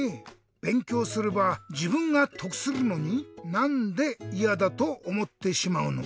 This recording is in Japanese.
べんきょうすればじぶんがとくするのになんでいやだとおもってしまうのか。